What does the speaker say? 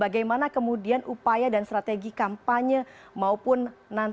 dan di dua puluh tahun